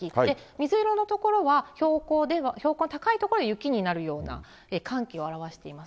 水色の所は、標高の高い所では雪になるような寒気を表しています。